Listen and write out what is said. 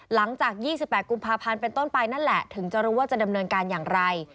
หลังจาก๒๘กุมภาพันธ์เป็นต้นไปนั่นแหละถึงจะรู้ว่าจะดำเนินการอย่างไร